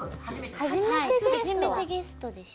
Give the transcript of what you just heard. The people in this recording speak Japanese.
初めてゲスト。